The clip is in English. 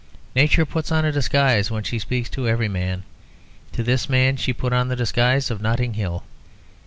Nature puts on a disguise when she speaks to every man; to this man she put on the disguise of Notting Hill.